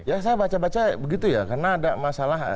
ya saya baca baca begitu ya karena ada masalah